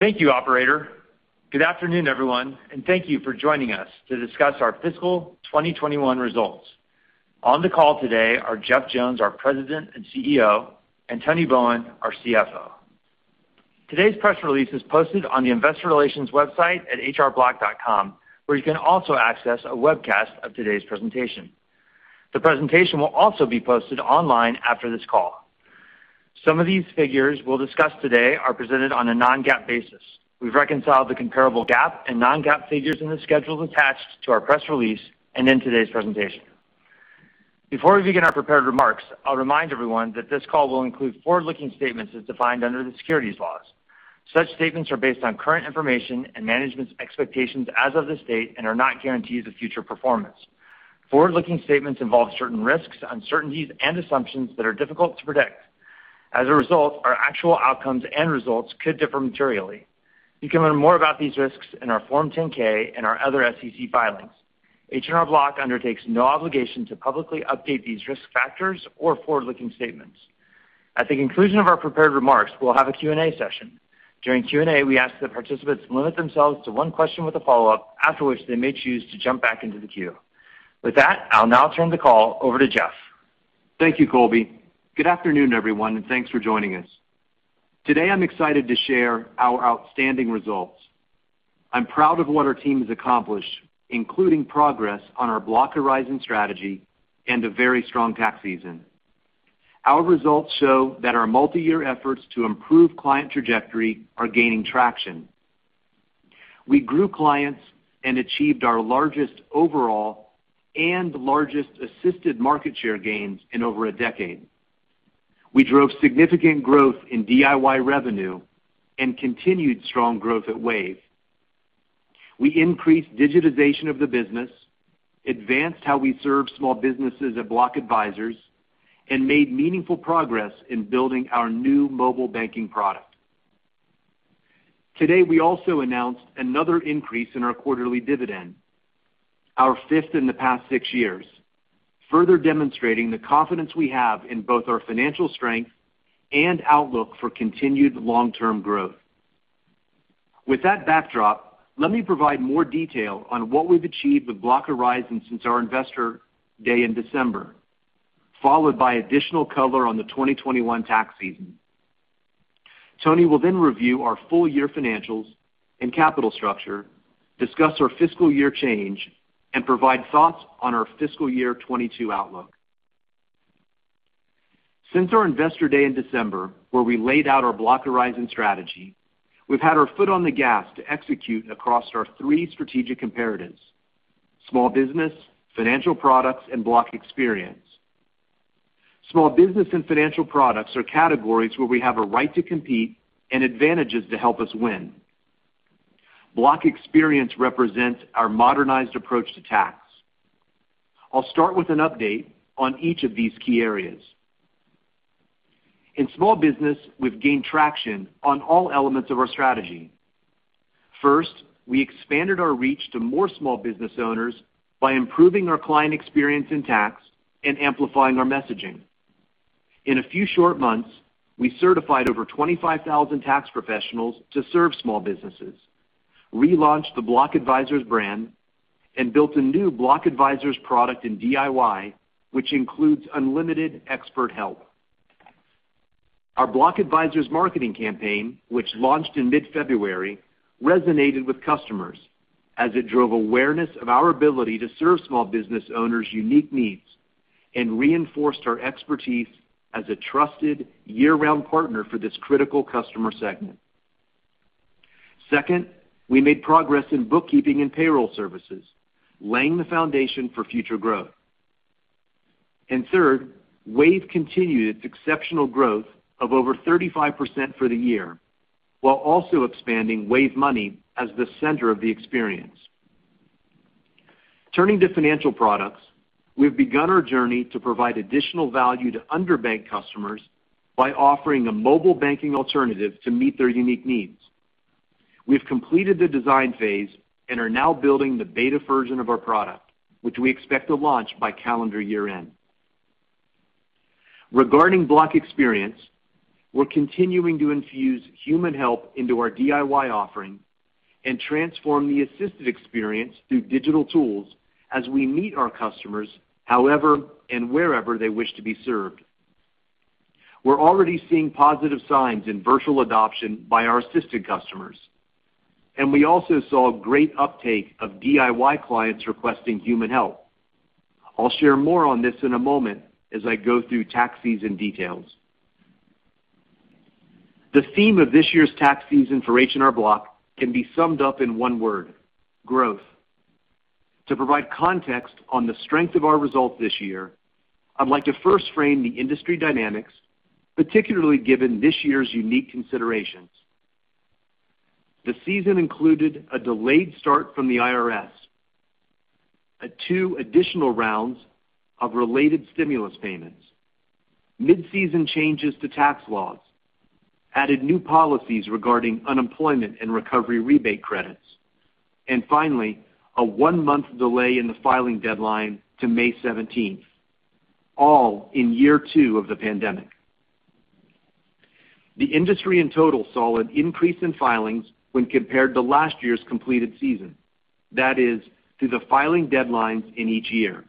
Thank you, operator. Good afternoon, everyone, and thank you for joining us to discuss our fiscal 2021 results. On the call today are Jeff Jones, our President and CEO, and Tony Bowen, our CFO. Today's press release is posted on the investor relations website at hrblock.com, where you can also access a webcast of today's presentation. The presentation will also be posted online after this call. Some of these figures we'll discuss today are presented on a non-GAAP basis. We've reconciled the comparable GAAP and non-GAAP figures in the schedules attached to our press release and in today's presentation. Before we begin our prepared remarks, I'll remind everyone that this call will include forward-looking statements as defined under the securities laws. Such statements are based on current information and management's expectations as of this date and are not guarantees of future performance. Forward-looking statements involve certain risks, uncertainties, and assumptions that are difficult to predict. As a result, our actual outcomes and results could differ materially. You can learn more about these risks in our Form 10-K and our other SEC filings. H&R Block undertakes no obligation to publicly update these risk factors or forward-looking statements. At the conclusion of our prepared remarks, we'll have a Q&A session. During Q&A, we ask that participants limit themselves to one question with a follow-up, after which they may choose to jump back into the queue. With that, I'll now turn the call over to Jeff. Thank you, Colby. Good afternoon, everyone, and thanks for joining us. Today I'm excited to share our outstanding results. I'm proud of what our team has accomplished, including progress on our Block Horizons strategy and a very strong tax season. Our results show that our multi-year efforts to improve client trajectory are gaining traction. We grew clients and achieved our largest overall and largest Assisted market share gains in over a decade. We drove significant growth in DIY revenue and continued strong growth at Wave. We increased digitization of the business, advanced how we serve small businesses at Block Advisors, and made meaningful progress in building our new mobile banking product. Today, we also announced another increase in our quarterly dividend, our fifth in the past six years, further demonstrating the confidence we have in both our financial strength and outlook for continued long-term growth. With that backdrop, let me provide more detail on what we've achieved with Block Horizons since our Investor Day in December, followed by additional color on the 2021 tax season. Tony will review our full-year financials and capital structure, discuss our fiscal year change, and provide thoughts on our fiscal year 2022 outlook. Since our Investor Day in December, where we laid out our Block Horizons strategy, we've had our foot on the gas to execute across our three strategic imperatives. Small Business, Financial Products, and Block Experience. Small Business and Financial Products are categories where we have a right to compete and advantages to help us win. Block Experience represents our modernized approach to tax. I'll start with an update on each of these key areas. In Small Business, we've gained traction on all elements of our strategy. We expanded our reach to more small business owners by improving our client experience in tax and amplifying our messaging. In a few short months, we certified over 25,000 tax professionals to serve small businesses, relaunched the Block Advisors brand, and built a new Block Advisors product in DIY, which includes unlimited expert help. Our Block Advisors marketing campaign, which launched in mid-February, resonated with customers as it drove awareness of our ability to serve small business owners' unique needs and reinforced our expertise as a trusted year-round partner for this critical customer segment. Second we made progress in bookkeeping and payroll services, laying the foundation for future growth. Third, Wave continued its exceptional growth of over 35% for the year, while also expanding Wave Money as the center of the experience. Turning to financial products, we've begun our journey to provide additional value to underbanked customers by offering a mobile banking alternative to meet their unique needs. We've completed the design phase and are now building the beta version of our product, which we expect to launch by calendar year-end. Regarding Block Experience, we're continuing to infuse human help into our DIY offering and transform the Assisted experience through digital tools as we meet our customers however and wherever they wish to be served. We're already seeing positive signs in virtual adoption by our Assisted customers, and we also saw a great uptake of DIY clients requesting human help. I'll share more on this in a moment as I go through tax season details. The theme of this year's tax season for H&R Block can be summed up in one word: growth. To provide context on the strength of our results this year, I'd like to first frame the industry dynamics, particularly given this year's unique considerations. The season included a delayed start from the IRS, two additional rounds of related stimulus payments, mid-season changes to tax laws, added new policies regarding unemployment and Recovery Rebate Credits, and finally, a one-month delay in the filing deadline to May 17th. All in year two of the pandemic. The industry in total saw an increase in filings when compared to last year's completed season. That is, to the filing deadlines in each year.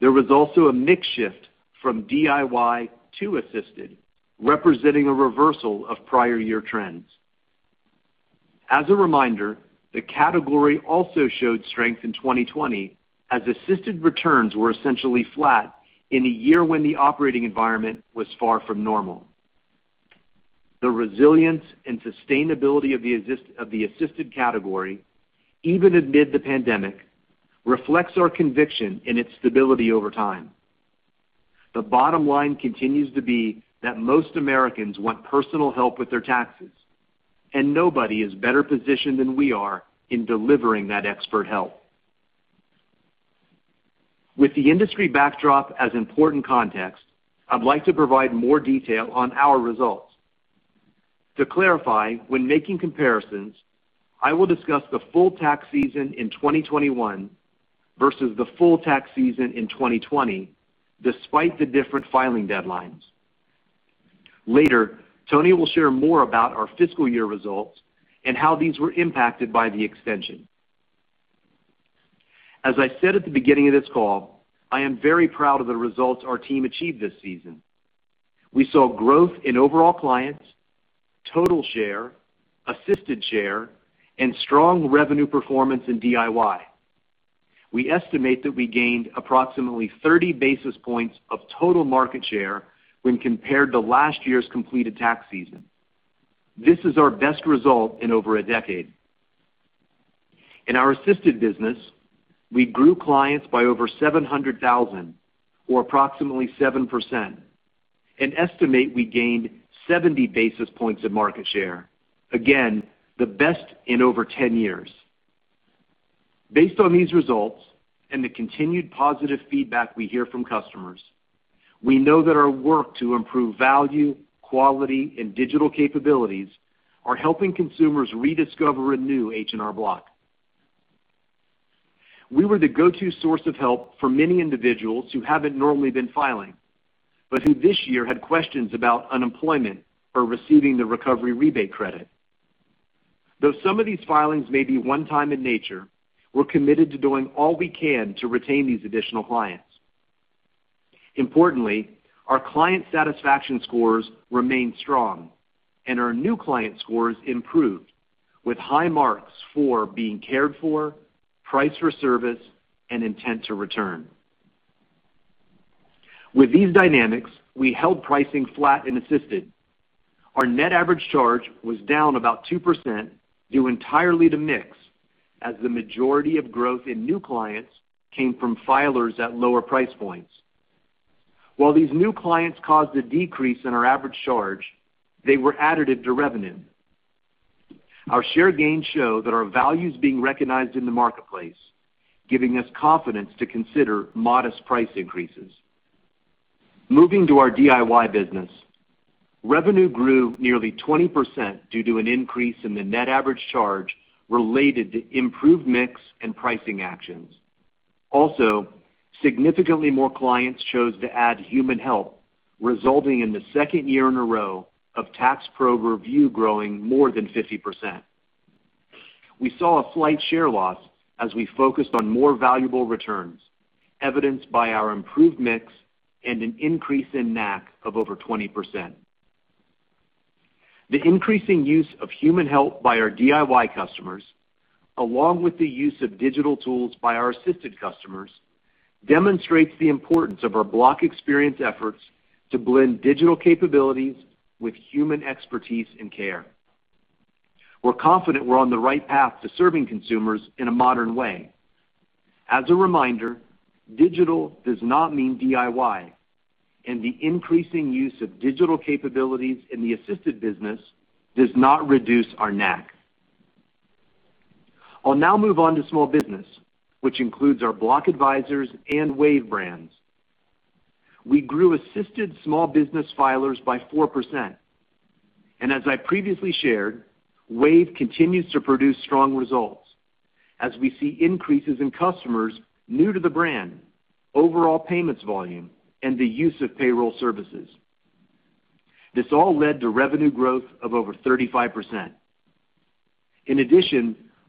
There was also a mix shift from DIY to Assisted, representing a reversal of prior year trends. As a reminder, the category also showed strength in 2020, as Assisted returns were essentially flat in a year when the operating environment was far from normal. The resilience and sustainability of the Assisted category, even amid the pandemic, reflects our conviction in its stability over time. The bottom line continues to be that most Americans want personal help with their taxes, and nobody is better positioned than we are in delivering that expert help. With the industry backdrop as important context, I'd like to provide more detail on our results. To clarify, when making comparisons, I will discuss the full tax season in 2021 versus the full tax season in 2020, despite the different filing deadlines. Later, Tony will share more about our fiscal year results and how these were impacted by the extension. As I said at the beginning of this call, I am very proud of the results our team achieved this season. We saw growth in overall clients, total share, Assisted share, and strong revenue performance in DIY. We estimate that we gained approximately 30 basis points of total market share when compared to last year's completed tax season. This is our best result in over a decade. In our Assisted business, we grew clients by over 700,000, or approximately 7%, and estimate we gained 70 basis points of market share. Again, the best in over 10 years. Based on these results and the continued positive feedback we hear from customers, we know that our work to improve value, quality, and digital capabilities are helping consumers rediscover a new H&R Block. We were the go-to source of help for many individuals who haven't normally been filing, but who this year had questions about unemployment or receiving the Recovery Rebate Credit. Though some of these filings may be one time in nature, we're committed to doing all we can to retain these additional clients. Importantly, our client satisfaction scores remained strong and our new client scores improved, with high marks for being cared for, price for service, and intent to return. With these dynamics, we held pricing flat in Assisted. Our net average charge was down about 2% due entirely to mix, as the majority of growth in new clients came from filers at lower price points. While these new clients caused a decrease in our average charge, they were additive to revenue. Our share gains show that our value is being recognized in the marketplace, giving us confidence to consider modest price increases. Moving to our DIY business. Revenue grew nearly 20% due to an increase in the net average charge related to improved mix and pricing actions. Significantly more clients chose to add human help, resulting in the second year in a row of Tax Pro Review growing more than 50%. We saw a slight share loss as we focused on more valuable returns, evidenced by our improved mix and an increase in NAC of over 20%. The increasing use of human help by our DIY customers, along with the use of digital tools by our Assisted customers, demonstrates the importance of our Block Experience efforts to blend digital capabilities with human expertise and care. We're confident we're on the right path to serving consumers in a modern way. As a reminder, digital does not mean DIY, and the increasing use of digital capabilities in the Assisted business does not reduce our NAC. I'll now move on to small business, which includes our Block Advisors and Wave brands. We grew Assisted small business filers by 4%. As I previously shared, Wave continues to produce strong results as we see increases in customers new to the brand, overall payments volume, and the use of payroll services. This all led to revenue growth of over 35%.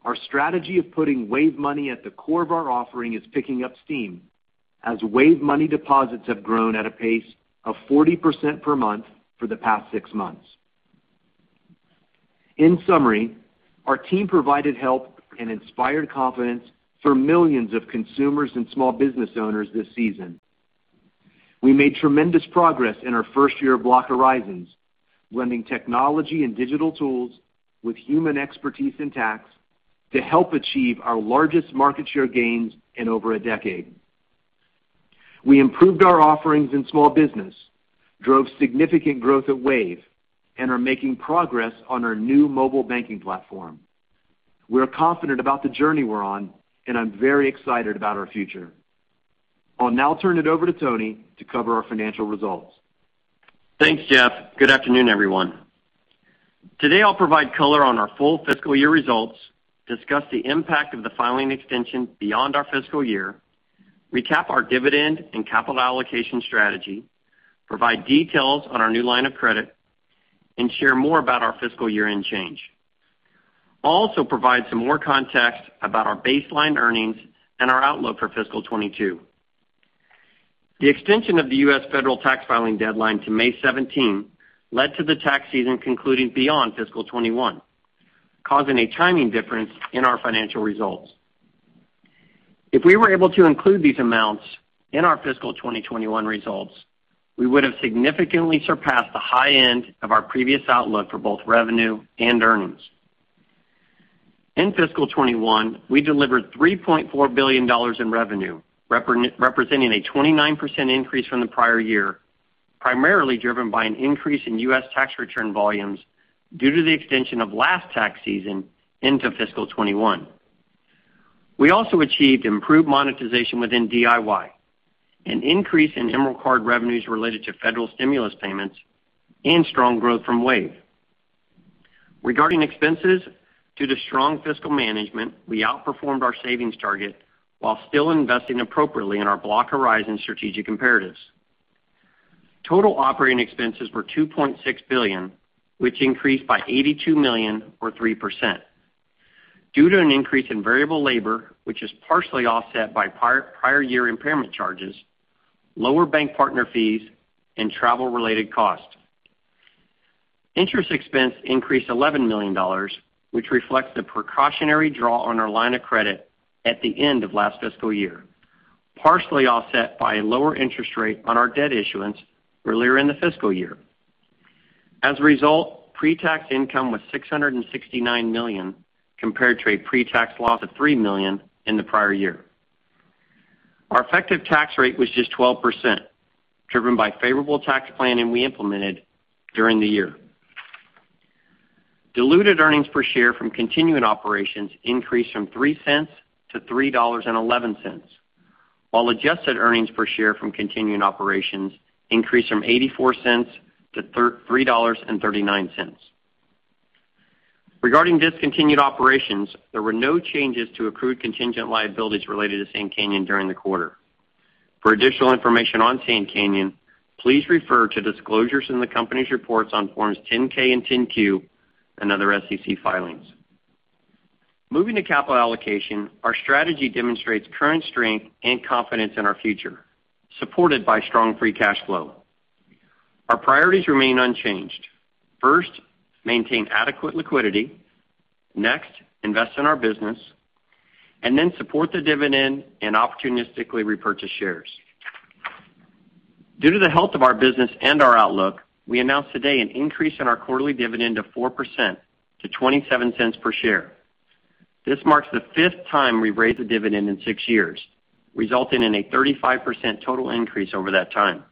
Our strategy of putting Wave Money at the core of our offering is picking up steam as Wave Money deposits have grown at a pace of 40% per month for the past six months. Our team provided help and inspired confidence for millions of consumers and small business owners this season. We made tremendous progress in our first year of Block Horizons, blending technology and digital tools with human expertise and tax to help achieve our largest market share gains in over a decade. We improved our offerings in small business, drove significant growth at Wave, and are making progress on our new mobile banking platform. We're confident about the journey we're on, and I'm very excited about our future. I'll now turn it over to Tony to cover our financial results. Thanks, Jeff. Good afternoon, everyone. Today I'll provide color on our full fiscal year results, discuss the impact of the filing extension beyond our fiscal year, recap our dividend and capital allocation strategy, provide details on our new line of credit, and share more about our fiscal year-end change. I'll also provide some more context about our baseline earnings and our outlook for fiscal 2022. The extension of the U.S. federal tax filing deadline to May 17 led to the tax season concluding beyond fiscal 2021, causing a timing difference in our financial results. If we were able to include these amounts in our fiscal 2021 results, we would have significantly surpassed the high end of our previous outlook for both revenue and earnings. In fiscal 2021, we delivered $3.4 billion in revenue, representing a 29% increase from the prior year, primarily driven by an increase in U.S. tax return volumes due to the extension of last tax season into fiscal 2021. We also achieved improved monetization within DIY, an increase in Emerald Card revenues related to federal stimulus payments, and strong growth from Wave. Regarding expenses, due to strong fiscal management, we outperformed our savings target while still investing appropriately in our Block Horizons strategic imperatives. Total operating expenses were $2.6 billion, which increased by $82 million or 3%, due to an increase in variable labor, which is partially offset by prior year impairment charges, lower bank partner fees, and travel-related costs. Interest expense increased $11 million, which reflects the precautionary draw on our line of credit at the end of last fiscal year, partially offset by a lower interest rate on our debt issuance earlier in the fiscal year. As a result, pre-tax income was $669 million, compared to a pre-tax loss of $3 million in the prior year. Our effective tax rate was just 12%, driven by favorable tax planning we implemented during the year. Diluted earnings per share from continuing operations increased from $0.03-$3.11, while adjusted earnings per share from continuing operations increased from $0.84-$3.39. Regarding discontinued operations, there were no changes to accrued contingent liabilities related to Sand Canyon during the quarter. For additional information on Sand Canyon, please refer to disclosures in the company's reports on Forms 10-K and 10-Q and other SEC filings. Moving to capital allocation, our strategy demonstrates current strength and confidence in our future, supported by strong free cash flow. Our priorities remain unchanged. First, maintain adequate liquidity. Next, invest in our business, and then support the dividend and opportunistically repurchase shares. Due to the health of our business and our outlook, we announced today an increase in our quarterly dividend of 4% to $0.27 per share. This marks the fifth time we've raised the dividend in six years, resulting in a 35% total increase over that time.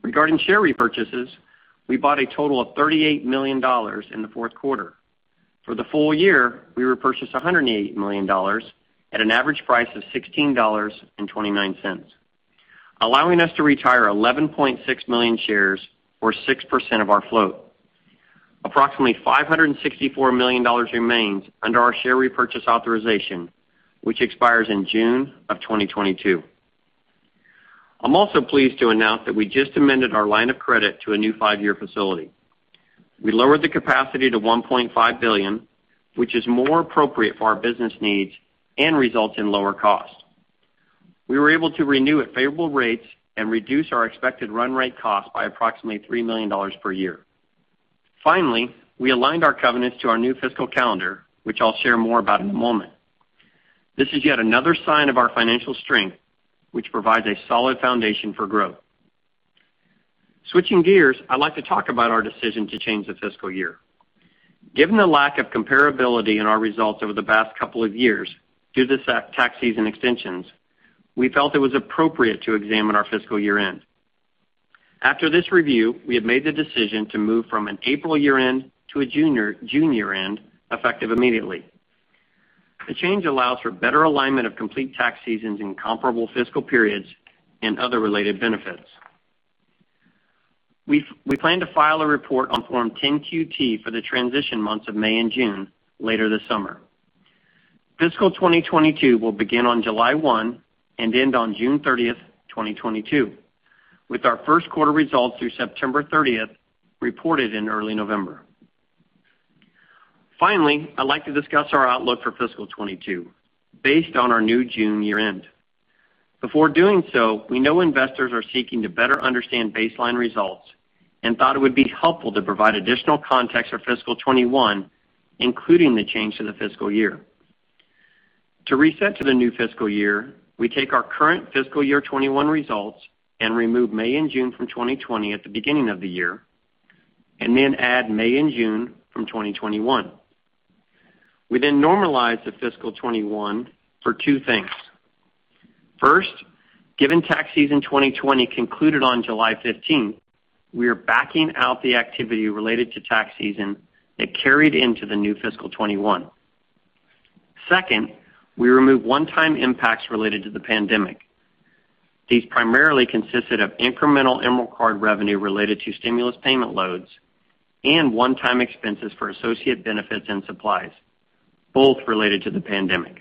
Regarding share repurchases, we bought a total of $38 million in the fourth quarter. For the full year, we repurchased $180 million at an average price of $16.29, allowing us to retire 11.6 million shares, or 6% of our float. Approximately $564 million remains under our share repurchase authorization, which expires in June of 2022. I'm also pleased to announce that we just amended our line of credit to a new five-year facility. We lowered the capacity to 1.5 billion, which is more appropriate for our business needs and results in lower costs. We were able to renew at favorable rates and reduce our expected run rate cost by approximately $3 million per year. Finally, I aligned our covenants to our new fiscal calendar, which I'll share more about in a moment. This is yet another sign of our financial strength, which provides a solid foundation for growth. Switching gears, I'd like to talk about our decision to change the fiscal year. Given the lack of comparability in our results over the past couple of years due to the tax season extensions, we felt it was appropriate to examine our fiscal year end. After this review, we have made the decision to move from an April year-end to a June year-end, effective immediately. The change allows for better alignment of complete tax seasons and comparable fiscal periods and other related benefits. We plan to file a report on Form 10-QT for the transition months of May and June later this summer. Fiscal 2022 will begin on July 1 and end on June 30th, 2022, with our first quarter results through September 30th reported in early November. Finally, I'd like to discuss our outlook for fiscal 2022 based on our new June year-end. Before doing so, we know investors are seeking to better understand baseline results and thought it would be helpful to provide additional context for fiscal 2021, including the change to the fiscal year. To reset to the new fiscal year, we take our current fiscal year 2021 results and remove May and June from 2020 at the beginning of the year, and then add May and June from 2021. We then normalize the fiscal 2021 for two things. First, given tax season 2020 concluded on July 15th, we are backing out the activity related to tax season that carried into the new fiscal 2021. Second, we remove one-time impacts related to the pandemic. These primarily consisted of incremental Emerald Card revenue related to stimulus payment loads and one-time expenses for associate benefits and supplies, both related to the pandemic.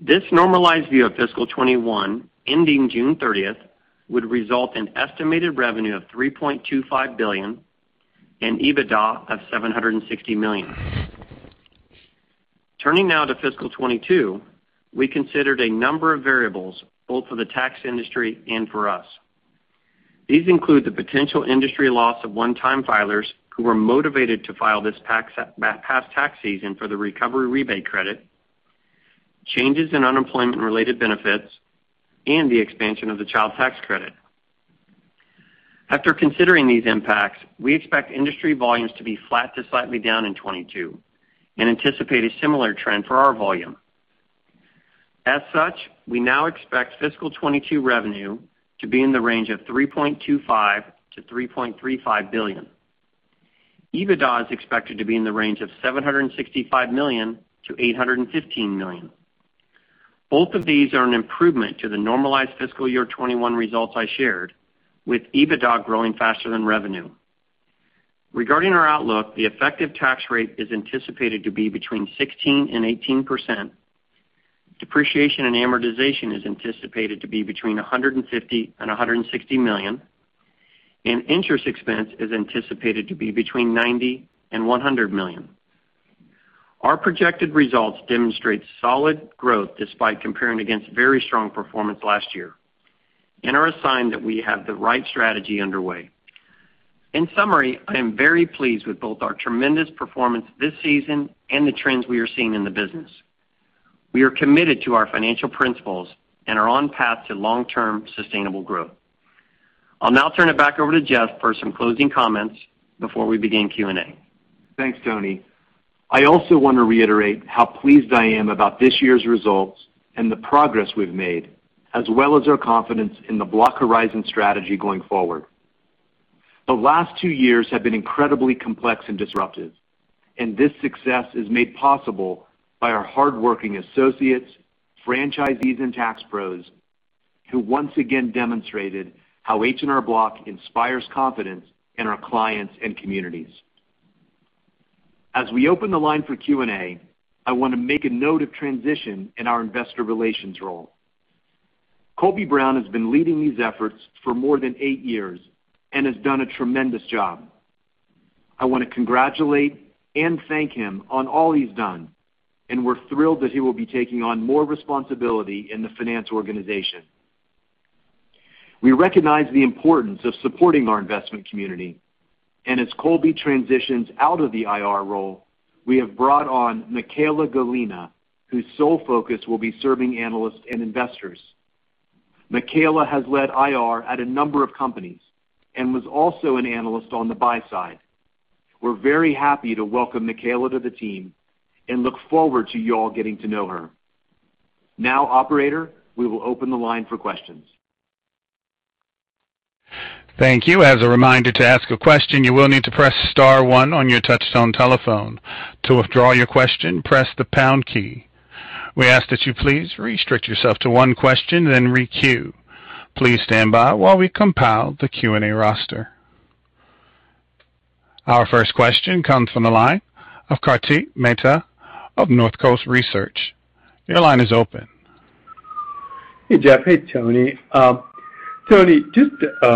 This normalized view of fiscal 2021 ending June 30th would result in estimated revenue of $3.25 billion and EBITDA of $760 million. Turning now to fiscal 2022, we considered a number of variables both for the tax industry and for us. These include the potential industry loss of one-time filers who were motivated to file this past tax season for the Recovery Rebate Credit, changes in unemployment-related benefits, and the expansion of the Child Tax Credit. After considering these impacts, we expect industry volumes to be flat to slightly down in 2022 and anticipate a similar trend for our volume. We now expect fiscal 2022 revenue to be in the range of $3.25 billion-$3.35 billion. EBITDA is expected to be in the range of $765 million-$815 million. Both of these are an improvement to the normalized fiscal year 2021 results I shared, with EBITDA growing faster than revenue. Regarding our outlook, the effective tax rate is anticipated to be between 16%-18%. Depreciation and amortization is anticipated to be between $150 million and $160 million, and interest expense is anticipated to be between $90 million and $100 million. Our projected results demonstrate solid growth despite comparing against very strong performance last year and are a sign that we have the right strategy underway. In summary, I am very pleased with both our tremendous performance this season and the trends we are seeing in the business. We are committed to our financial principles and are on path to long-term sustainable growth. I'll now turn it back over to Jeff for some closing comments before we begin Q&A. Thanks, Tony. I also want to reiterate how pleased I am about this year's results and the progress we've made, as well as our confidence in the Block Horizons strategy going forward. The last two years have been incredibly complex and disruptive. This success is made possible by our hardworking associates, franchisees, and tax pros, who once again demonstrated how H&R Block inspires confidence in our clients and communities. As we open the line for Q&A, I want to make a note of transition in our investor relations role. Colby Brown has been leading these efforts for more than eight years and has done a tremendous job. I want to congratulate and thank him on all he's done. We're thrilled that he will be taking on more responsibility in the finance organization. We recognize the importance of supporting our investment community, and as Colby transitions out of the IR role, we have brought on Michaella Gallina, whose sole focus will be serving analysts and investors. Michaella has led IR at a number of companies and was also an analyst on the buy side. We're very happy to welcome Michaella to the team and look forward to you all getting to know her. Now, operator, we will open the line for questions. Thank you. As a reminder, to ask a question, you will need to press star one on your touch-tone telephone. To withdraw your question, press the pound key. We ask that you please restrict yourself to one question, then re-queue. Please stand by while we compile the Q&A roster. Our first question comes from the line of Kartik Mehta of Northcoast Research. Your line is open. Hey, Jeff. Hey, Tony. Tony, just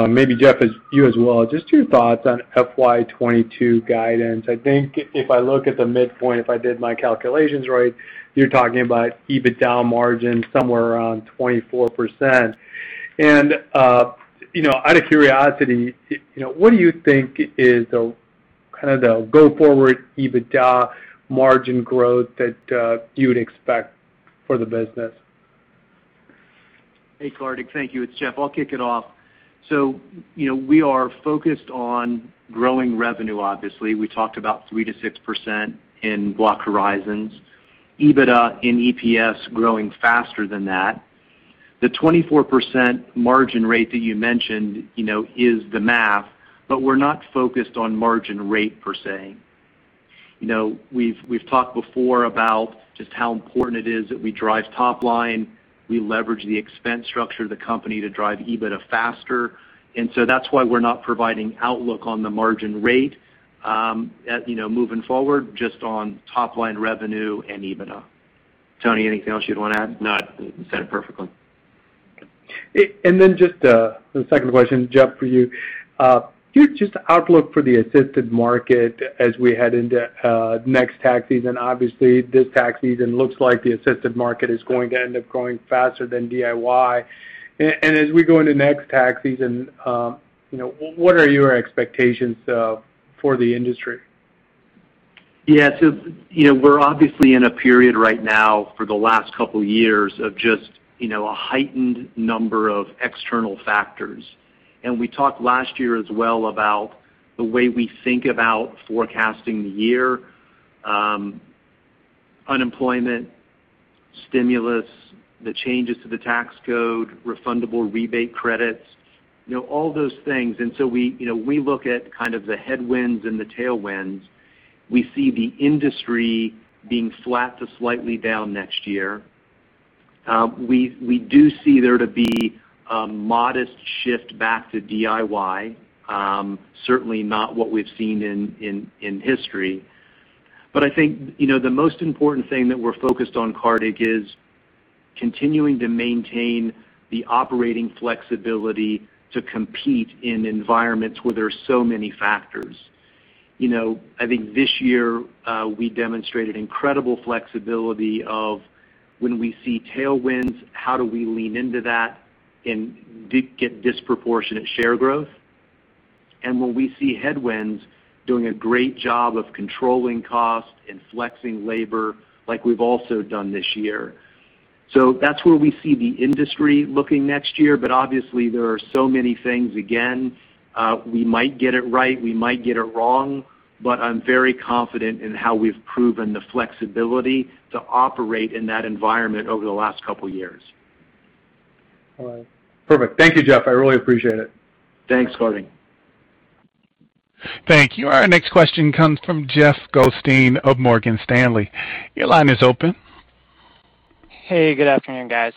maybe, Jeff, you as well, just your thoughts on FY 2022 guidance. I think if I look at the midpoint, if I did my calculations right, you're talking about EBITDA margin somewhere around 24%. Out of curiosity, what do you think is the go forward EBITDA margin growth that you would expect for the business? Hey, Kartik. Thank you. It's Jeff. I'll kick it off. We are focused on growing revenue, obviously. We talked about 3%-6% in Block Horizons. EBITDA and EPS growing faster than that. The 24% margin rate that you mentioned is the math, but we're not focused on margin rate per se. We've talked before about just how important it is that we drive top line. We leverage the expense structure of the company to drive EBITDA faster, and so that's why we're not providing outlook on the margin rate moving forward, just on top line revenue and EBITDA. Tony, anything else you'd want to add? No. You said it perfectly. Just the second question, Jeff, for you. Just outlook for the Assisted market as we head into next tax season. Obviously, this tax season looks like the Assisted market is going to end up growing faster than DIY. As we go into next tax season, what are your expectations for the industry? We're obviously in a period right now for the last couple of years of just a heightened number of external factors, and we talked last year as well about the way we think about forecasting the year. Unemployment. Stimulus, the changes to the tax code, refundable rebate credits, all those things. We look at kind of the headwinds and the tailwinds. We see the industry being flat to slightly down next year. We do see there to be a modest shift back to DIY, certainly not what we've seen in history. I think, the most important thing that we're focused on, Kartik, is continuing to maintain the operating flexibility to compete in environments where there are so many factors. I think this year, we demonstrated incredible flexibility of when we see tailwinds, how do we lean into that and get disproportionate share growth? When we see headwinds, doing a great job of controlling costs and flexing labor like we've also done this year. That's where we see the industry looking next year. Obviously there are so many things, again, we might get it right, we might get it wrong, but I'm very confident in how we've proven the flexibility to operate in that environment over the last couple of years. All right. Perfect. Thank you, Jeff. I really appreciate it. Thanks, Kartik. Thank you. Our next question comes from Jeff Goldstein of Morgan Stanley. Your line is open. Hey, good afternoon, guys.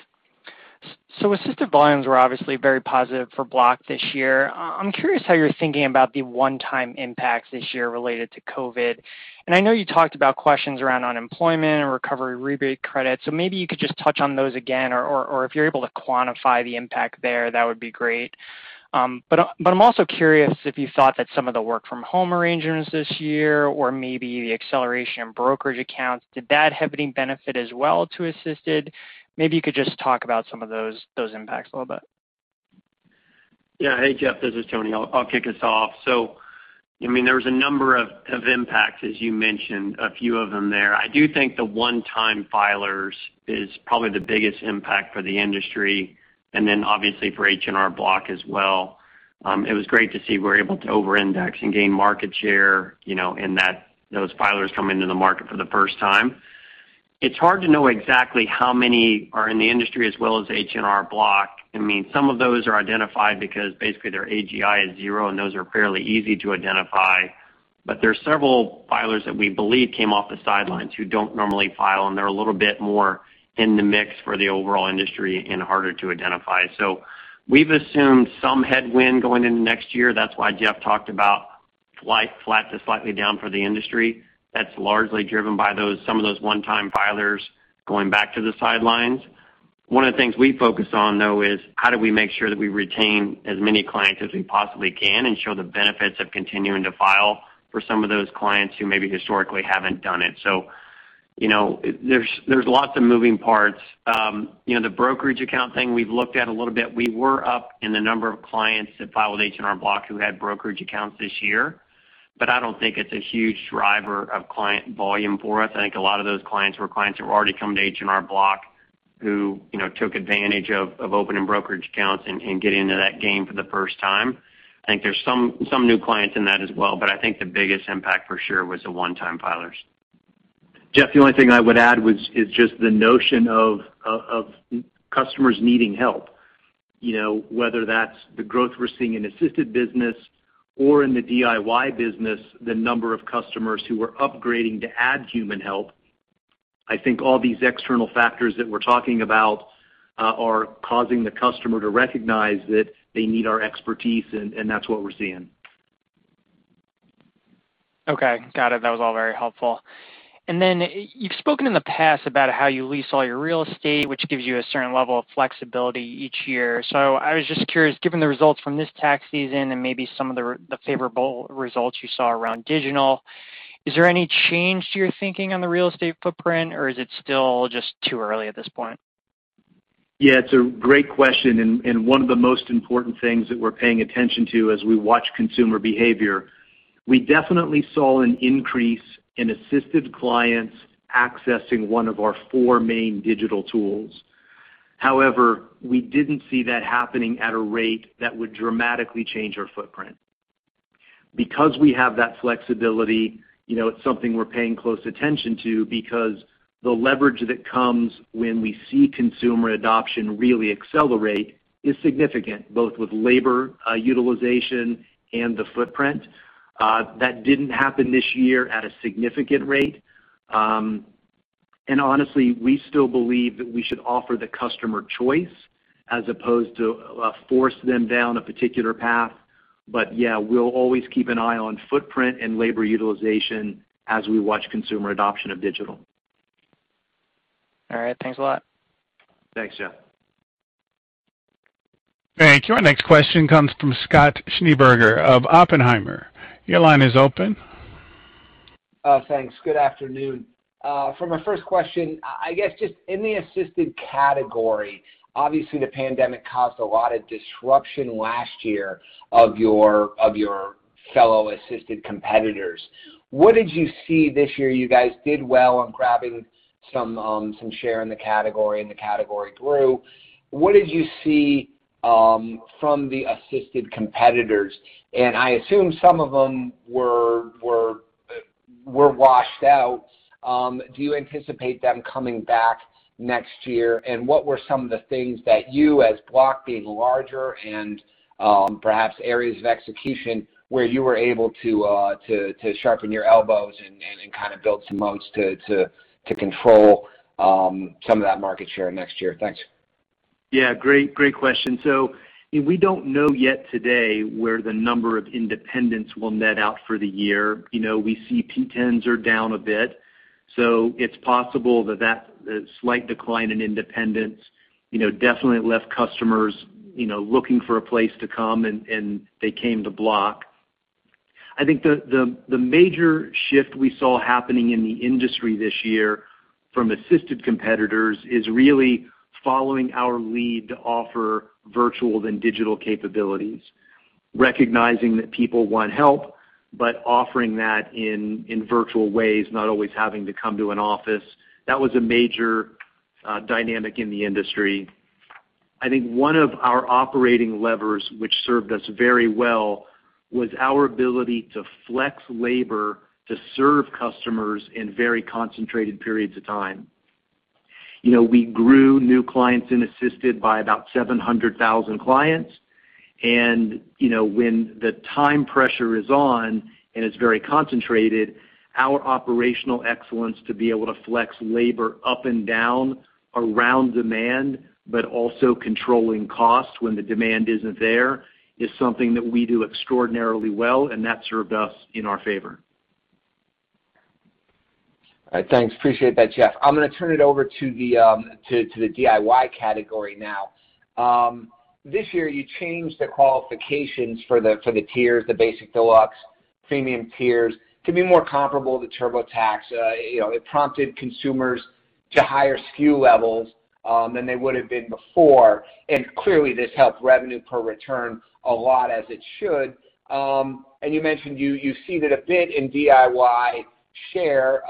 Assisted volumes were obviously very positive for Block this year. I'm curious how you're thinking about the one-time impact this year related to COVID. I know you talked about questions around unemployment and Recovery Rebate Credit, maybe you could just touch on those again, or if you're able to quantify the impact there, that would be great. I'm also curious if you thought that some of the work from home arrangements this year, or maybe the acceleration in brokerage accounts, did that have any benefit as well to Assisted? Maybe you could just talk about some of those impacts a little bit. Yeah. Hey, Jeff, this is Tony. I'll kick us off. There was a number of impacts, as you mentioned, a few of them there. I do think the one-time filers is probably the biggest impact for the industry, obviously for H&R Block as well. It was great to see we're able to over-index and gain market share, those filers coming into the market for the first time. It's hard to know exactly how many are in the industry as well as H&R Block. Some of those are identified because basically their AGI is zero, those are fairly easy to identify. There are several filers that we believe came off the sidelines who don't normally file, they're a little bit more in the mix for the overall industry and harder to identify. We've assumed some headwind going into next year. That's why Jeff talked about flat to slightly down for the industry. That's largely driven by some of those one-time filers going back to the sidelines. One of the things we focus on, though, is how do we make sure that we retain as many clients as we possibly can and show the benefits of continuing to file for some of those clients who maybe historically haven't done it. There's lots of moving parts. The brokerage account thing we've looked at a little bit. We were up in the number of clients that filed with H&R Block who had brokerage accounts this year, but I don't think it's a huge driver of client volume for us. I think a lot of those clients were clients who already come to H&R Block who took advantage of opening brokerage accounts and can get into that game for the first time. I think there's some new clients in that as well, but I think the biggest impact for sure was the one-time filers. Jeff, the only thing I would add is just the notion of customers needing help. Whether that's the growth we're seeing in Assisted business or in the DIY business, the number of customers who are upgrading to add human help. I think all these external factors that we're talking about are causing the customer to recognize that they need our expertise, and that's what we're seeing. Okay. Got it. That was all very helpful. You've spoken in the past about how you lease all your real estate, which gives you a certain level of flexibility each year. I was just curious, given the results from this tax season and maybe some of the favorable results you saw around digital, is there any change to your thinking on the real estate footprint, or is it still just too early at this point? Yeah, it's a great question, one of the most important things that we're paying attention to as we watch consumer behavior. We definitely saw an increase in Assisted clients accessing one of our four main digital tools. However, we didn't see that happening at a rate that would dramatically change our footprint. We have that flexibility, it's something we're paying close attention to because the leverage that comes when we see consumer adoption really accelerate is significant, both with labor utilization and the footprint. That didn't happen this year at a significant rate. Honestly, we still believe that we should offer the customer choice as opposed to force them down a particular path. Yeah, we'll always keep an eye on footprint and labor utilization as we watch consumer adoption of digital. All right. Thanks a lot. Thanks, Jeff. Thank you. Our next question comes from Scott Schneeberger of Oppenheimer. Your line is open. Thanks. Good afternoon. For my first question, I guess just in the Assisted category, obviously the pandemic caused a lot of disruption last year of your fellow Assisted competitors. What did you see this year? You guys did well in grabbing some share in the category, and the category grew. What did you see from the Assisted competitors? I assume some of them were washed out. Do you anticipate them coming back next year? What were some of the things that you, as Block being larger and perhaps areas of execution where you were able to sharpen your elbows and build some moats to control some of that market share next year? Thanks. Yeah. Great question. We don't know yet today where the number of independents will net out for the year. We see PTINs are down a bit, so it's possible that the slight decline in independents definitely left customers looking for a place to come, and they came to Block. I think the major shift we saw happening in the industry this year from Assisted competitors is really following our lead to offer virtual and digital capabilities, recognizing that people want help, but offering that in virtual ways, not always having to come to an office. That was a major dynamic in the industry. I think one of our operating levers which served us very well was our ability to flex labor to serve customers in very concentrated periods of time. We grew new clients in Assisted by about 700,000 clients. When the time pressure is on, and it's very concentrated, our operational excellence to be able to flex labor up and down around demand but also controlling costs when the demand isn't there is something that we do extraordinarily well, and that served us in our favor. All right. Thanks. Appreciate that, Jeff. I'm going to turn it over to the DIY category now. This year, you changed the qualifications for the tiers, the Basic, Deluxe, Premium tiers, to be more comparable to TurboTax. It prompted consumers to higher SKU levels than they would've been before. Clearly, this helped revenue per return a lot, as it should. You mentioned you've seen it a bit in DIY share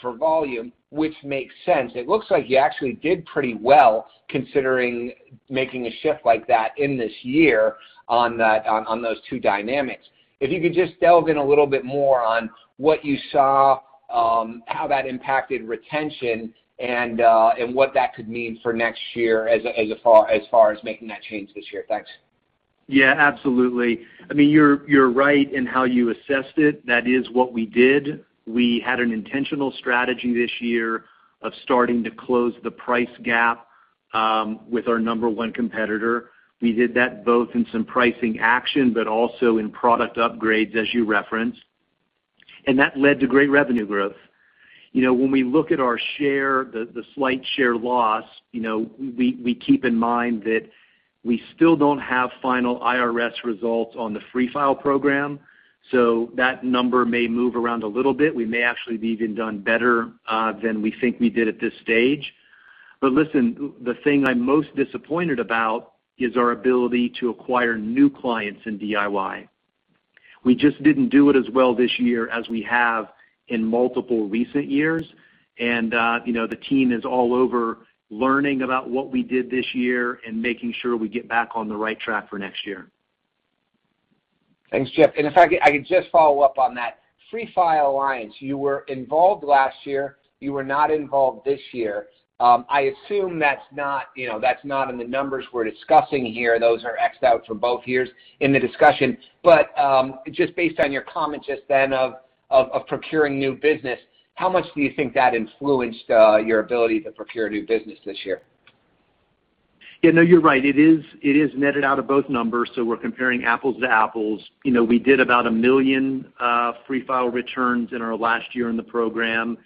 for volume, which makes sense. It looks like you actually did pretty well, considering making a shift like that in this year on those two dynamics. If you could just delve in a little bit more on what you saw, how that impacted retention, and what that could mean for next year as far as making that change this year. Thanks. Yeah, absolutely. You're right in how you assessed it. That is what we did. We had an intentional strategy this year of starting to close the price gap with our number one competitor. We did that both in some pricing action, but also in product upgrades, as you referenced. That led to great revenue growth. When we look at our share, the slight share loss, we keep in mind that we still don't have final IRS results on the Free File program. That number may move around a little bit. We may actually have even done better than we think we did at this stage. Listen, the thing I'm most disappointed about is our ability to acquire new clients in DIY. We just didn't do it as well this year as we have in multiple recent years, and the team is all over learning about what we did this year and making sure we get back on the right track for next year. Thanks, Jeff. If I could just follow up on that. Free File Alliance, you were involved last year. You were not involved this year. I assume that's not in the numbers we're discussing here. Those are Xed out from both years in the discussion. Just based on your comments just then of procuring new business, how much do you think that influenced your ability to procure new business this year? You're right. It is netted out of both numbers, so we're comparing apples to apples. We did about a million Free File returns in our last year in the program,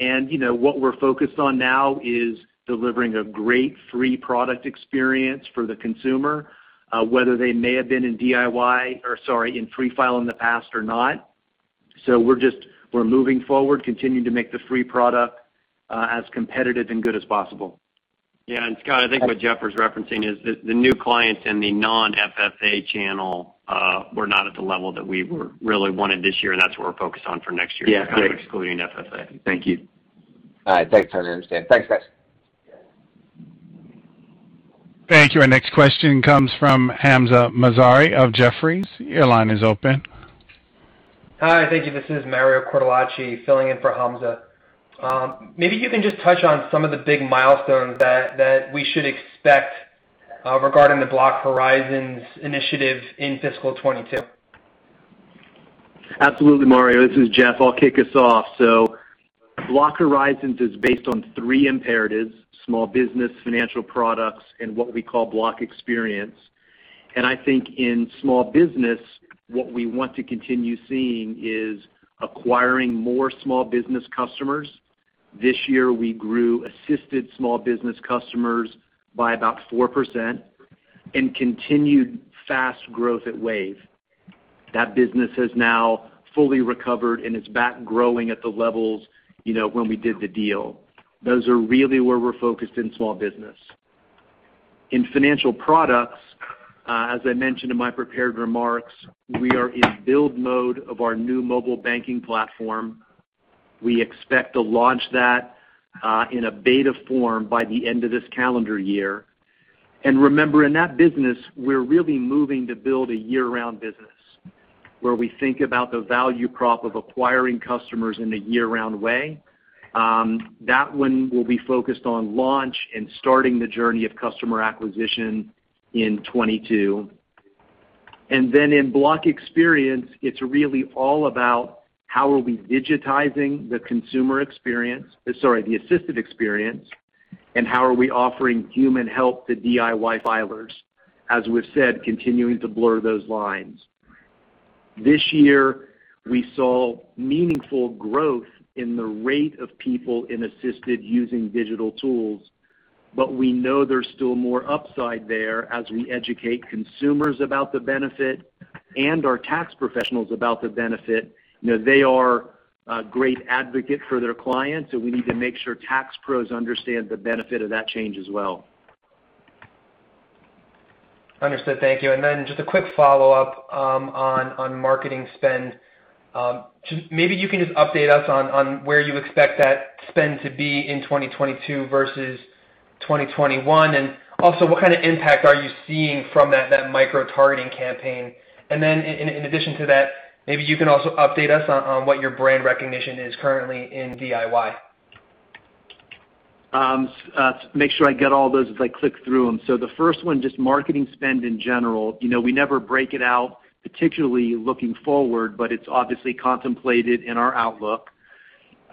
and what we're focused on now is delivering a great free product experience for the consumer, whether they may have been in Free File in the past or not. We're moving forward, continuing to make the free product as competitive and good as possible. Yeah, Scott, I think what Jeff was referencing is that the new clients in the non-FFA channel were not at the level that we really wanted this year. That's what we're focused on for next year, including FFA. Yeah. Thank you. All right. Thanks for understanding. Thanks, guys. Thank you. Our next question comes from Hamzah Mazari of Jefferies. Your line is open. Hi. Thank you. This is Mario Cortellacci filling in for Hamzah. Maybe you can just touch on some of the big milestones that we should expect regarding the Block Horizons initiative in fiscal 2022. Absolutely, Mario. This is Jeff. I'll kick us off. Block Horizons is based on three imperatives, small business, financial products, and what we call Block Experience. I think in small business, what we want to continue seeing is acquiring more small business customers. This year, we grew Assisted small business customers by about 4% and continued fast growth at Wave. That business has now fully recovered and is back growing at the levels when we did the deal. Those are really where we're focused in small business. In financial products, as I mentioned in my prepared remarks, we are in build mode of our new mobile banking platform. We expect to launch that in a beta form by the end of this calendar year. Remember, in that business, we're really moving to build a year-round business where we think about the value prop of acquiring customers in a year-round way. That one will be focused on launch and starting the journey of customer acquisition in 2022. Then in Block Experience, it's really all about how are we digitizing the consumer experience, sorry, the Assisted experience, and how are we offering human help to DIY filers, as we've said, continuing to blur those lines. This year, we saw meaningful growth in the rate of people in Assisted using digital tools, we know there's still more upside there as we educate consumers about the benefit and our tax professionals about the benefit. They are a great advocate for their clients, so we need to make sure tax pros understand the benefit of that change as well. Understood. Thank you. Just a quick follow-up on marketing spend. Maybe you can just update us on where you expect that spend to be in 2022 versus 2021, and also what kind of impact are you seeing from that micro-targeting campaign? In addition to that, maybe you can also update us on what your brand recognition is currently in DIY. Make sure I get all those as I click through them. The first one, just marketing spend in general. We never break it out, particularly looking forward, but it's obviously contemplated in our outlook.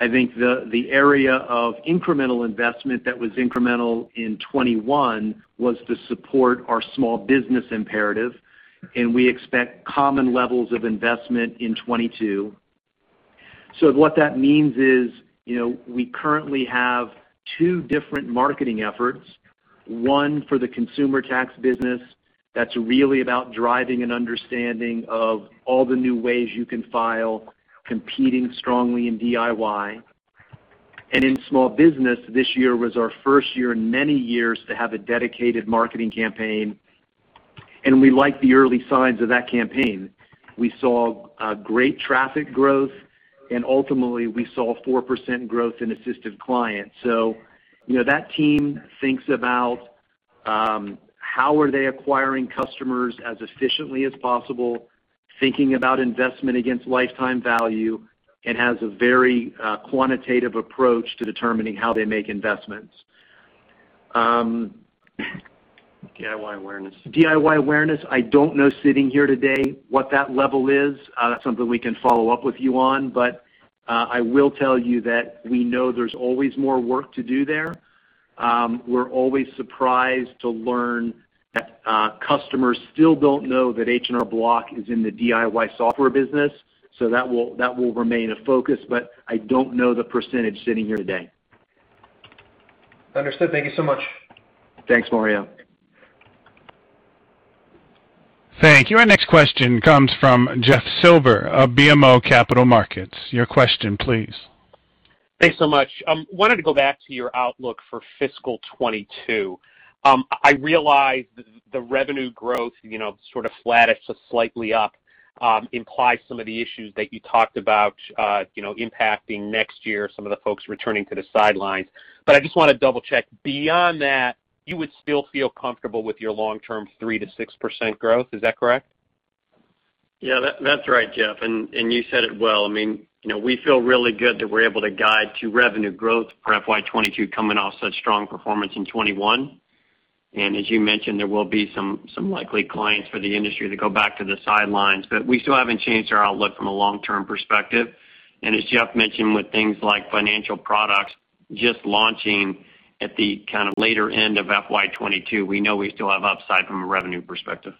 I think the area of incremental investment that was incremental in 2021 was to support our small business imperative, and we expect common levels of investment in 2022. What that means is, we currently have two different marketing efforts, one for the consumer tax business that's really about driving an understanding of all the new ways you can file, competing strongly in DIY. In small business, this year was our first year in many years to have a dedicated marketing campaign, and we like the early signs of that campaign. We saw great traffic growth, and ultimately we saw 4% growth in Assisted clients. That team thinks about how are they acquiring customers as efficiently as possible, thinking about investment against lifetime value, and has a very quantitative approach to determining how they make investments. DIY awareness. DIY awareness. I don't know sitting here today what that level is. Something we can follow up with you on. I will tell you that we know there's always more work to do there. We're always surprised to learn that customers still don't know that H&R Block is in the DIY software business, so that will remain a focus, but I don't know the percentage sitting here today. Understood. Thank you so much. Thanks, Mario. Thank you. Our next question comes from Jeff Silber of BMO Capital Markets. Your question, please. Thanks so much. I wanted to go back to your outlook for fiscal 2022. I realize the revenue growth sort of flattish to slightly up implies some of the issues that you talked about impacting next year, some of the folks returning to the sidelines. I just want to double-check. Beyond that, you would still feel comfortable with your long-term 3%-6% growth. Is that correct? That's right, Jeff, and you said it well. We feel really good that we're able to guide to revenue growth for FY 2022 coming off such strong performance in 2021. As you mentioned, there will be some likely clients for the industry to go back to the sidelines, but we still haven't changed our outlook from a long-term perspective. As Jeff mentioned, with things like financial products just launching at the kind of later end of FY 2022, we know we still have upside from a revenue perspective.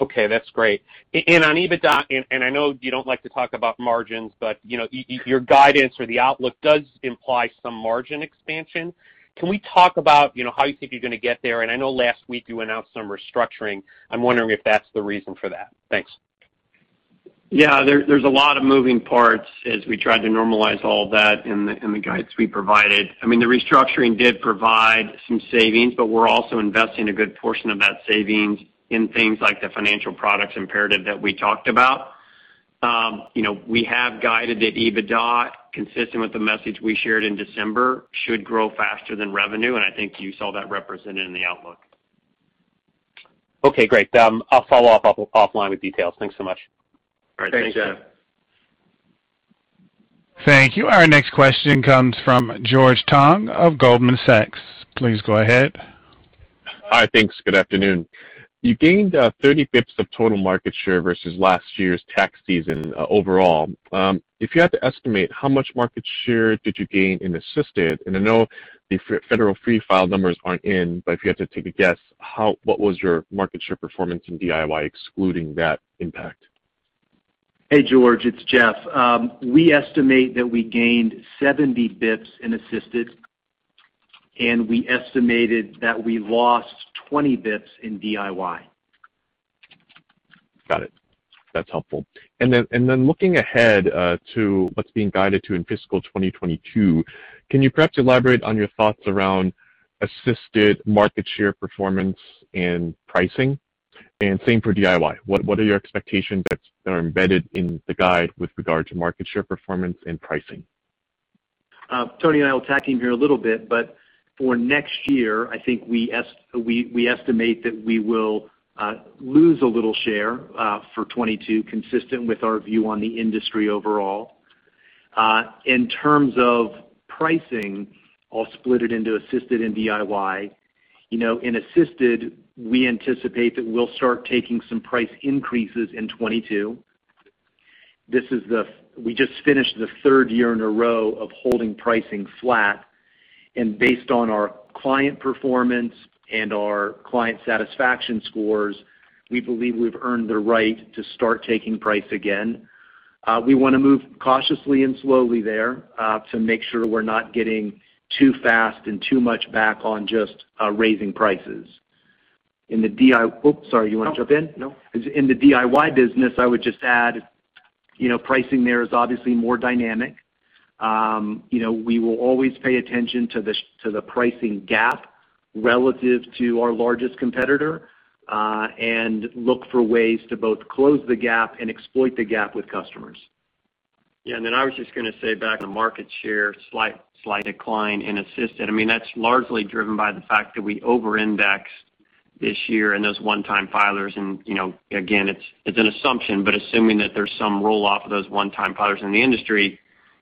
Okay, that's great. On EBITDA, and I know you don't like to talk about margins, but your guidance or the outlook does imply some margin expansion. Can we talk about how you think you're going to get there? I know last week you went out some restructuring. I'm wondering if that's the reason for that. Thanks. Yeah. There's a lot of moving parts as we try to normalize all that in the guides we provided. The restructuring did provide some savings, but we're also investing a good portion of that savings in things like the financial products imperative that we talked about. We have guided that EBITDA, consistent with the message we shared in December, should grow faster than revenue, and I think you saw that represented in the outlook. Okay, great. I'll follow up offline with details. Thanks so much. All right. Thanks, Jeff. Thank you. Our next question comes from George Tong of Goldman Sachs. Please go ahead. Hi, thanks. Good afternoon. You gained 30 basis points of total market share versus last year's tax season overall. If you had to estimate how much market share did you gain in Assisted, and I know the Federal Free File numbers aren't in, but if you had to take a guess, what was your market share performance in DIY excluding that impact? Hey, George, it's Jeff. We estimate that we gained 70 basis points in Assisted, and we estimated that we lost 20 basis points in DIY. Got it. That's helpful. Looking ahead to what's being guided to in fiscal 2022, can you perhaps elaborate on your thoughts around Assisted market share performance and pricing? Same for DIY. What are your expectations that are embedded in the guide with regard to market share performance and pricing? Tony, I will tack in here a little bit. For next year, I think we estimate that we will lose a little share for 2022, consistent with our view on the industry overall. In terms of pricing, I'll split it into Assisted and DIY. In Assisted, we anticipate that we'll start taking some price increases in 2022. We just finished the third year in a row of holding pricing flat. Based on our client performance and our client satisfaction scores, we believe we've earned the right to start taking price again. We want to move cautiously and slowly there to make sure we're not getting too fast and too much back on just raising prices. Oops, sorry, you want to jump in? No. In the DIY business, I would just add, pricing there is obviously more dynamic. We will always pay attention to the pricing gap relative to our largest competitor, and look for ways to both close the gap and exploit the gap with customers. Then I was just going to say back to market share, slight decline in Assisted. That's largely driven by the fact that we over-indexed this year in those one-time filers, again, it's an assumption, but assuming that there's some roll-off of those one-time filers in the industry,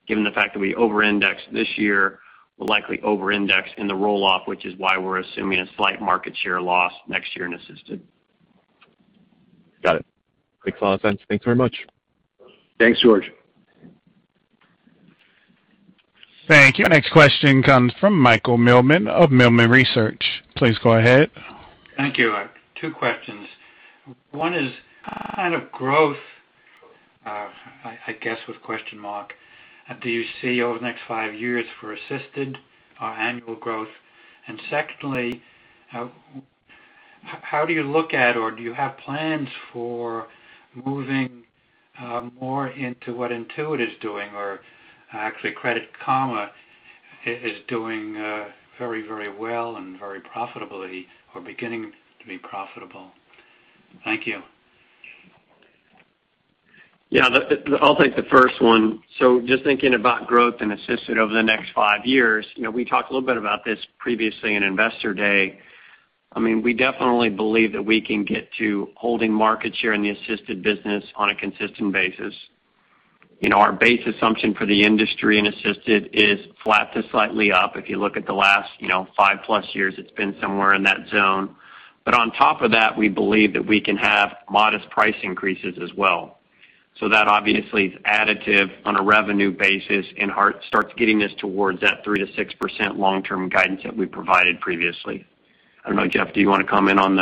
given the fact that we over-indexed this year, we'll likely over-index in the roll-off, which is why we're assuming a slight market share loss next year in Assisted. Got it. Great thoughts. Thanks very much. Thanks, George. Thank you. Next question comes from Michael Millman of Millman Research. Please go ahead. Thank you. Two questions. One is kind of growth, I guess, with question mark. Do you see over the next five years for Assisted annual growth? Secondly, how do you look at, or do you have plans for moving more into what Intuit is doing, or actually Credit Karma is doing very well and very profitably or beginning to be profitable? Thank you. Yeah, I'll take the first one. Just thinking about growth in Assisted over the next five years, we talked a little bit about this previously in Investor Day. We definitely believe that we can get to holding market share in the Assisted business on a consistent basis. Our base assumption for the industry in Assisted is flat to slightly up. If you look at the last five-plus years, it's been somewhere in that zone. On top of that, we believe that we can have modest price increases as well. That obviously is additive on a revenue basis and starts getting us towards that 3%-6% long-term guidance that we provided previously. I don't know, Jeff, do you want to comment on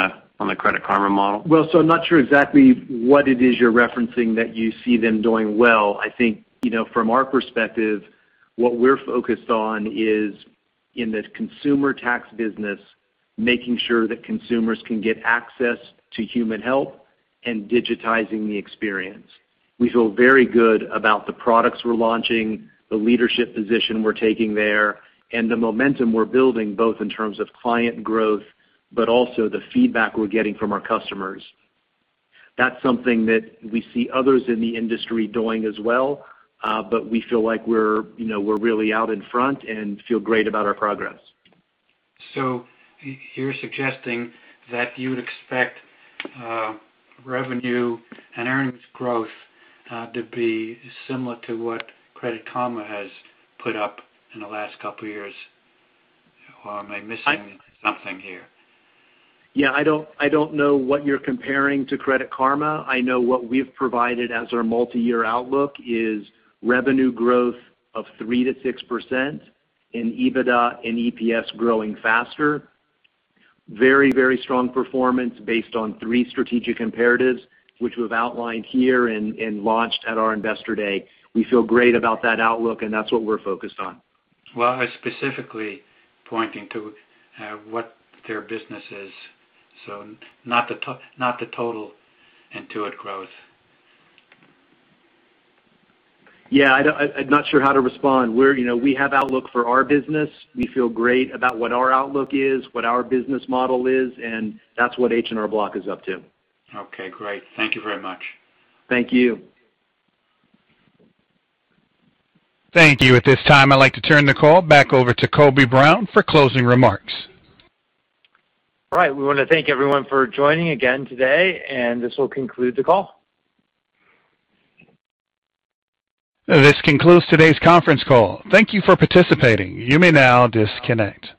the Credit Karma model? I'm not sure exactly what it is you're referencing that you see them doing well. I think, from our perspective, what we're focused on is in the consumer tax business, making sure that consumers can get access to human help and digitizing the experience. We feel very good about the products we're launching, the leadership position we're taking there, and the momentum we're building, both in terms of client growth, but also the feedback we're getting from our customers. That's something that we see others in the industry doing as well, but we feel like we're really out in front and feel great about our progress. You're suggesting that you would expect revenue and earnings growth to be similar to what Credit Karma has put up in the last couple of years? Am I missing something here? I don't know what you're comparing to Credit Karma. I know what we've provided as our multi-year outlook is revenue growth of 3%-6% in EBITDA and EPS growing faster. Very strong performance based on three strategic imperatives, which we've outlined here and launched at our Investor Day. We feel great about that outlook, and that's what we're focused on. Well, I was specifically pointing to what their business is. Not the total Intuit growth. Yeah, I'm not sure how to respond. We have outlook for our business. We feel great about what our outlook is, what our business model is, and that's what H&R Block is up to. Okay, great. Thank you very much. Thank you. Thank you. At this time, I'd like to turn the call back over to Colby Brown for closing remarks. All right. We want to thank everyone for joining again today. This will conclude the call. This concludes today's conference call. Thank you for participating. You may now disconnect.